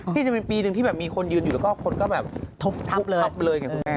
ที่จะมีปีหนึ่งที่มีคนยืนอยู่แล้วก็คนก็แบบทับเลย